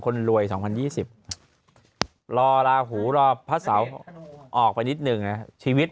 คนรวยสองพันยี่สิบรอราหูรอพระเสาออกไปนิดหนึ่งน่ะชีวิต